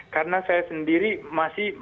karena saya sendiri masih